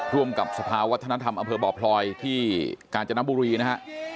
ร่วมกับสภาวัฒนธรรมอำเภอบ่อพลอยที่กาญจนบุรีนะฮะ